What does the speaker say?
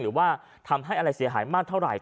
หรือว่าทำให้อะไรเสียหายมากเท่าไหร่